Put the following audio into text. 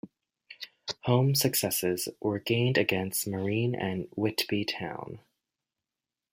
Home successes were gained against Marine and Whitby Town.